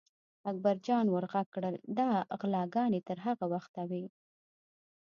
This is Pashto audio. اکبر جان ور غږ کړل: دا غلاګانې تر هغه وخته وي.